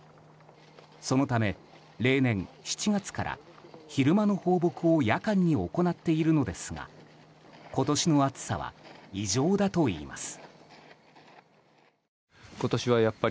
そのため例年、７月から昼間の放牧を夜間に行っているのですが今年の暑さは異常だといいます。